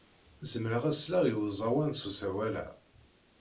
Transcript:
Zemreɣ ad sleɣ i uẓawan s usawal-a.